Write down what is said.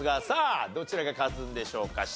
さあどちらが勝つんでしょうか？